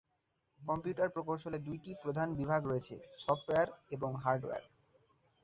Computer প্রকৌশলে দুইটি প্রধান বিভাগ রয়েছে: সফটওয়্যার এবং হার্ডওয়্যার।